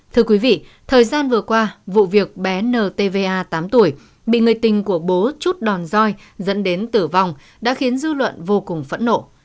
thưa quý vị thời gian vừa qua vụ việc bé ntva tám tuổi bị người tình của bố chút đòn roi dẫn đến tử vong đã khiến dư luận vô cùng phẫn nộ